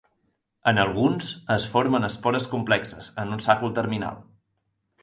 En alguns, es formen espores complexes en un sàcul terminal.